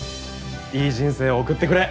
いい人生を送ってくれ。